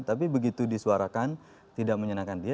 tapi begitu disuarakan tidak menyenangkan dia